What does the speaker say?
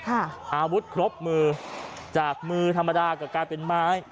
อาวุธครบมือจากมือธรรมดาก็กลายเป็นไม้